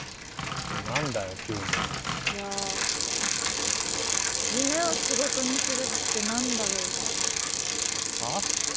何だよ急にいや夢を仕事にするって何だろうってはあ？